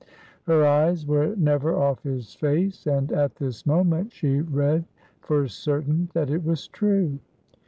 Her eyes were never off his face, and at this moment she read for certain that it was true.